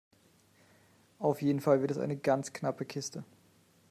Auf jeden Fall wird es eine ganz knappe Kiste.